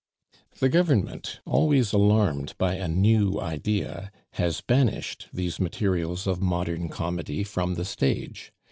The Government, always alarmed by a new idea, has banished these materials of modern comedy from the stage.